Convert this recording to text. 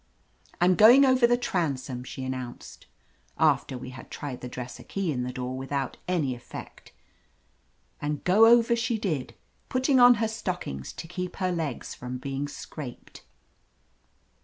I'm going over the transom," she an nounced, after we had tried the dresser key in the door without any effect And go over she did, after putting on her stockings to keep her legs from being scraped.